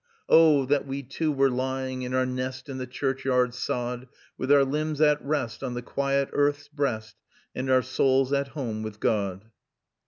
"'Oh, that we two oo were ly ing In our nest in the chu urch yard sod, With our limbs at rest on the quiet earth's breast, And our souls at home with God!'"